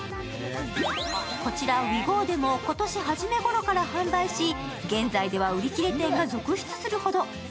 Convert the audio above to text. こちらＷＥＧＯでも今年初めごろから販売し、現在では売り切れ店が続出するほど。